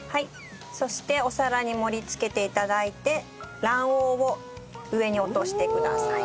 そしてお皿に盛り付けて頂いて卵黄を上に落としてください。